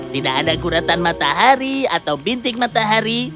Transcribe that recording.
tidak ada kuratan matahari atau bintik matahari